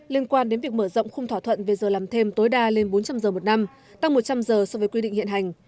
liên quan đến việc mở rộng khung thỏa thuận về giờ làm thêm tối đa lên bốn trăm linh giờ một năm tăng một trăm linh giờ so với quy định hiện hành